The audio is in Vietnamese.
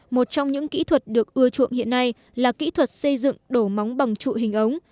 một trong những kỹ thuật được ưa chuộng hiện nay là kỹ thuật xây dựng đổ móng bằng trụi hình ống